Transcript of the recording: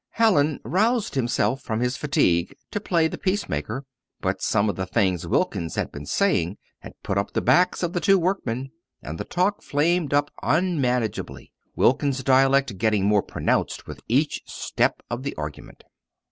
Hallin roused himself from his fatigue to play the peace maker. But some of the things Wilkins had been saying had put up the backs of the two workmen, and the talk flamed up unmanageably Wilkins's dialect getting more pronounced with each step of the argument.